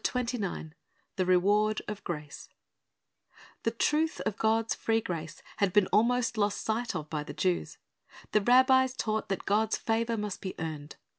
20: 28 The Reward of Grace 'T^HE truth of God's free grace had been ahnost lost sight ^ of by the Jews. The rabbis taught that God's favor must be earned.